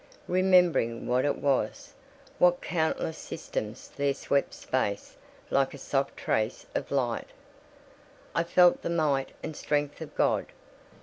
Remembering what it was—what countless systems there swept space like a soft trace of light—I felt the might and strength of God.